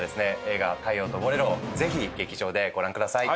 映画『太陽とボレロ』をぜひ劇場でご覧ください。